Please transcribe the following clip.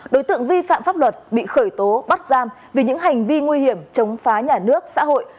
đối tượng vi phạm pháp luật bị khởi tố bắt giam vì những hành vi nguy hiểm chống phá nhà nước xã hội